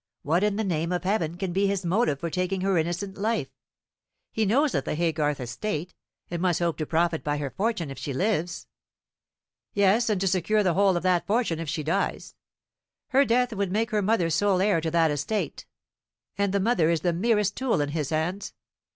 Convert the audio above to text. What, in the name of Heaven, can be his motive for taking her innocent life? He knows of the Haygarth estate, and must hope to profit by her fortune if she lives." "Yes, and to secure the whole of that fortune if she dies. Her death would make her mother sole heir to that estate, and the mother is the merest tool in his hands.